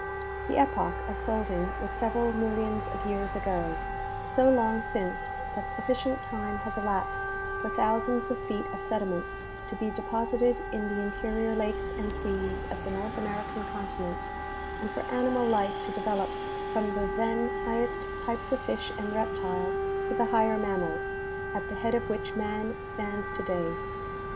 The epoch of folding Avas several millions of years ago ; so long since that sufficient time has elapsed for thousands of feet of sediments to be deposited in the interior lakes and seas of the North American continent and for animal life to develop from the then highest types of fish and reptile to the higher mammals, at the head of which man stands today.